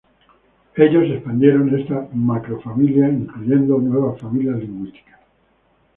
Ellos expandieron esta macrofamilia incluyendo nuevas familias lingüísticas.